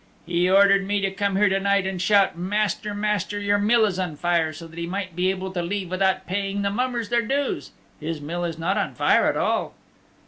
"He ordered me to come here to night and to shout 'Master, master, your mill is on fire,' so that he might be able to leave without paying the mummers their dues. His mill is not on fire at all."